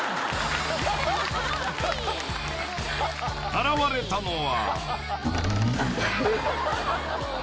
［現れたのは］